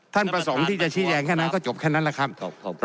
ท่านประสงค์ที่จะชี้แจงแค่นั้นก็จบแค่นั้นแหละครับขอบคุณครับ